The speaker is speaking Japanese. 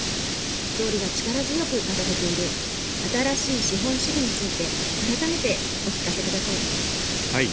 総理が力強く掲げている「新しい資本主義」について、改めてお聞かせください。